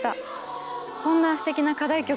こんなすてきな課題曲